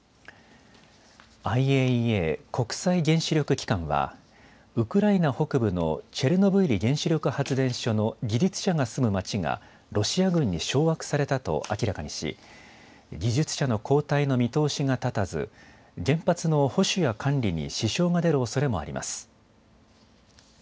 ＩＡＥＡ・国際原子力機関はウクライナ北部のチェルノブイリ原子力発電所の技術者が住む町がロシア軍に掌握されたと明らかにし技術者の交代の見通しが立たず原発の保守や管理に支障が出るおそれもあります。